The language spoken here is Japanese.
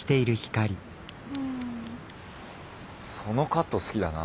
そのカット好きだな。